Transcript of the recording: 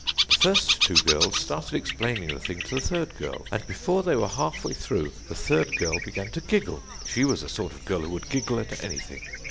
"The first two girls started explaining the thing to the third girl, and before they were half way through the third girl began to giggle she was the sort of girl who would giggle at anything.